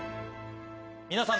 皆さん